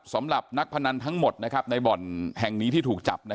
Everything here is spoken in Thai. สำหรับนักพนันทั้งหมดในบ่อนแห่งนี้ที่ถูกจับ